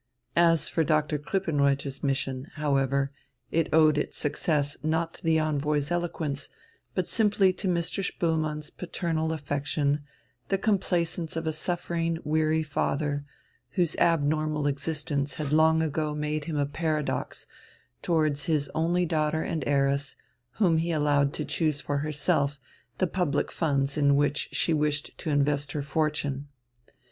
As for Dr. Krippenreuther's mission, however, it owed its success not to the envoy's eloquence, but simply to Mr. Spoelmann's paternal affection, the complaisance of a suffering, weary father, whose abnormal existence had long ago made him a paradox, towards his only daughter and heiress, whom he allowed to choose for herself the public funds in which she wished to invest her fortune.